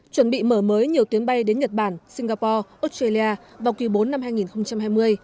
chuẩn bị mở mới nhiều tuyến bay đến nhật bản singapore australia vào quý bốn năm hai nghìn hai mươi